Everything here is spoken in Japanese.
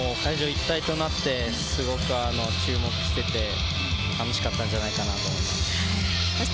一体となって、すごく注目していて楽しかったんじゃないかなと思います。